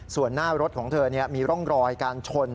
ส่วนหน้ารถของเธอมีร่องรอยการชน